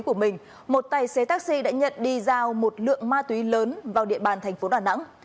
trong thời điểm dịch bệnh một tài xế taxi đã nhận đi giao một lượng ma túy lớn vào địa bàn thành phố đà nẵng